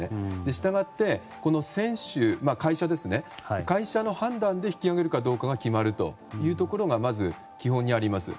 したがって会社の判断で引き揚げるかどうかが決まるということがまず基本にあります。